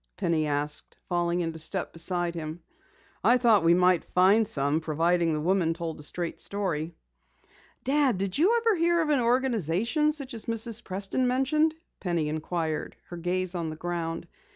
Penny asked, falling into step beside him. "I thought we might find some, providing the woman told a straight story." "Dad, did you ever hear of an organization such as Mrs. Preston mentioned?" Penny inquired, her gaze on the ground.